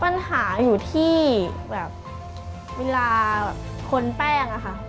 ปัญหาอยู่ที่ว่าเวลาค้นแป้งมันแปลกอยู่